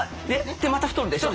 でまた太るでしょ？